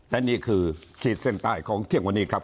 และนี่คือขีดเส้นใต้ของเที่ยงวันนี้ครับ